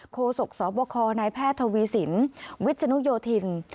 โศกสบคนายแพทย์ทวีสินวิศนุโยธิน